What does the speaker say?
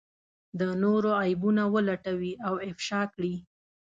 د نورو عيبونه ولټوي او افشا کړي.